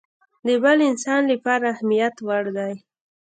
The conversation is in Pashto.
د بل انسان لپاره د اهميت وړ دی.